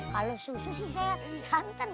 kalau susu sih saya santan